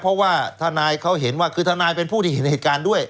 เพราะว่าทนายเขาเห็นว่าคือทนายเป็นผู้ที่เห็นเหตุการณ์ด้วย